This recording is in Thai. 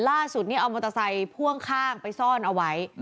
ล่าสุดนี่เอามอเตอร์ไซค์พ่วงข้างไปซ่อนเอาไว้